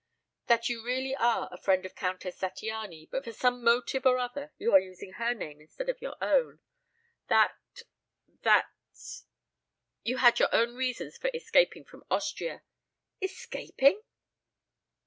"That you really are a friend of Countess Zattiany, but for some motive or other you are using her name instead of your own. That that you had your own reasons for escaping from Austria " "Escaping?"